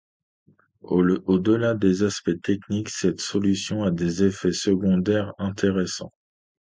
Au-delà des aspects techniques, cette solution a des effets secondaires intéressants.